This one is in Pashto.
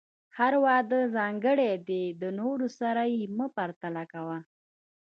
هر واده ځانګړی دی، د نورو سره یې مه پرتله کوه.